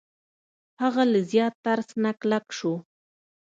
هغه له زیات ترس نه کلک شو.